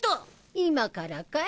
今からかい？